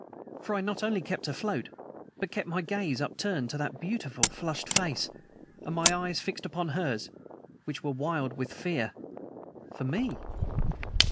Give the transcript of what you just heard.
For I not only kept afloat, but kept my gaze upturned to that beautiful, flushed face, and my eyes fixed upon hers which were wild with fear ... for me!